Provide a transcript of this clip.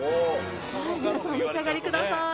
さぁ皆さんお召し上がりください。